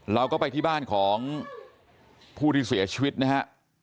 เราก็ไปที่บ้านของผู้ที่เสียชีวิตนะฮะ